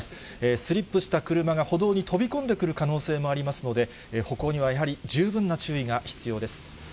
スリップした車が歩道に飛び込んでくる可能性もありますので、歩行にはやはり十分な注意が必要です。